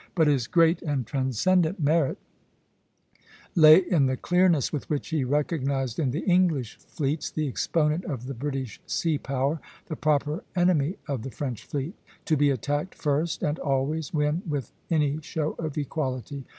But his great and transcendent merit lay in the clearness with which he recognized in the English fleets, the exponent of the British sea power, the proper enemy of the French fleet, to be attacked first and always when with any show of equality.